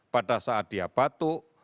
pada saat dia batuk